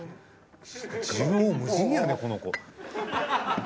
縦横無尽やねこの子。